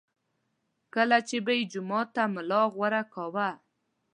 کله چې به یې جومات ته ملا غوره کاوه.